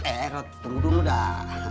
eh tunggu dulu dah